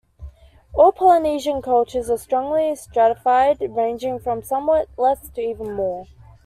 All Polynesian cultures are strongly stratified, ranging from somewhat less to even more.